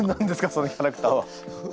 そのキャラクターは。